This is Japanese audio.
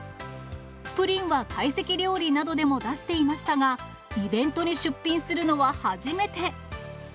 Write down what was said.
プリンは会席料理などでも出していましたが、イベントに出品するのは初めて。